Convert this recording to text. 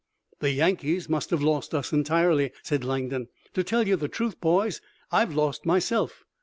"The Yankees must have lost us entirely," said Langdon. "To tell you the truth, boys, I've lost myself.